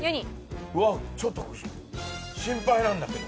うわちょっと心配なんだけど。